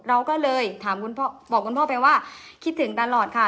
เราก็เลยถามคุณพ่อบอกคุณพ่อไปว่าคิดถึงตลอดค่ะ